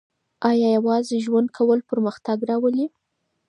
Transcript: آیا یوازې ژوند کول پرمختګ راولي؟